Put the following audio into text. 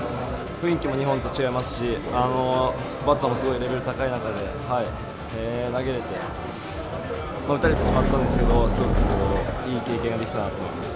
雰囲気も日本と違いますし、バッターもすごいレベル高い中で投げれて、打たれてしまったんですけど、すごいいい経験ができたなと思います。